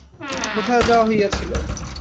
কোথায় যাওয়া হইয়াছিল?